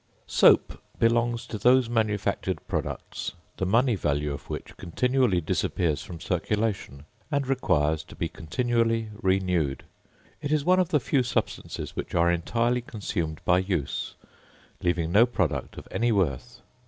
Soap belongs to those manufactured products, the money value of which continually disappears from circulation, and requires to be continually renewed. It is one of the few substances which are entirely consumed by use, leaving no product of any worth.